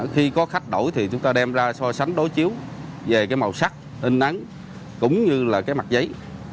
khi có khách đổi thì chúng ta đem ra so sánh đối chiếu về màu sắc tinh nắng cũng như là mặt giấy